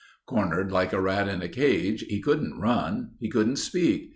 Cornered like a rat in a cage, he couldn't run; he couldn't speak.